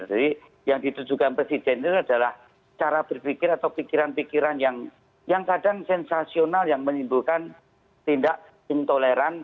yang ditujukan presiden itu adalah cara berpikir atau pikiran pikiran yang kadang sensasional yang menimbulkan tindak intoleran